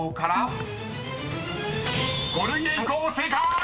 ［正解！